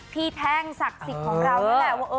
พี่แทงศักดิ์สิทธิ์ของเรา